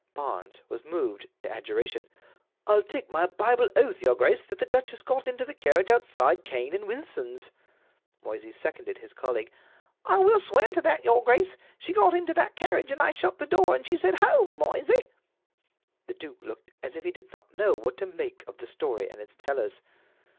Barnes was moved to adjuration: "I'll take my Bible oath, your grace, that the duchess got into the carriage outside Cane and Wilson's." Moysey seconded his colleague. "I will swear to that, your grace. She got into that carriage, and I shut the door, and she said, 'Home, Moysey!'" The duke looked as if he did not know what to make of the story and its tellers.